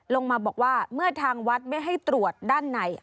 ลงมาบอกว่าเมื่อทางวัดไม่ให้ตรวจด้านใน